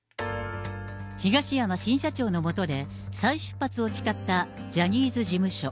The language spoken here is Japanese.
東山新社長の下で、再出発を誓ったジャニーズ事務所。